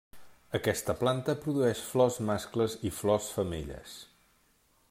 Aquesta planta produeix flors mascles i flors femelles.